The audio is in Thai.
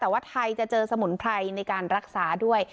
แต่ว่าไทยจะเจอสมุนไพรในการรักษาด้วย